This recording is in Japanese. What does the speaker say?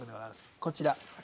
こちら。